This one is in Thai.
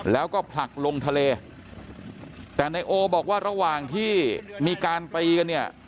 แล้วก็ผลักลงทะเลแต่นายโอบอกว่าระหว่างที่มีการตีกันเนี่ย